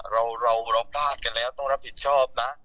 เราพลาดกันแล้วต้องรับผิดชอบนะ